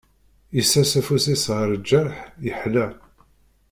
Yessers afus-is ɣef lǧerḥ yeḥla.